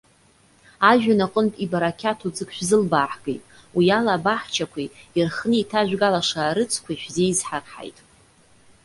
Ажәҩан аҟынтә ибарақьаҭу ӡык шәзылбааҳгеит, уи ала абаҳчақәеи, ирхны иҭажәгалаша арыцқәеи шәзеизҳарҳаит.